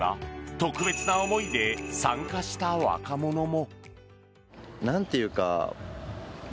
中には特別な思いで参加した若者も。